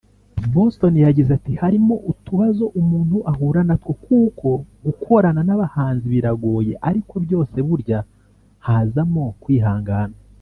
Boston yagize ati “Harimo utubazo umuntu ahura natwo kuko gukorana n’abahanzi biragoye ariko byose burya hazamo kwihangana